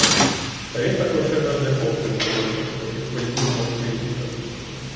Та він так лише задля хлопців говорив, яких полюбив, мов своїх діток.